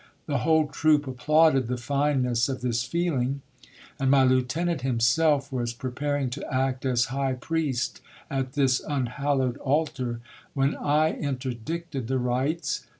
The whole troop applauded the fineness of this feeling, and my lieutenant himself was pre paring to act as high priest at this unhallowed altar, when I interdicted the rites.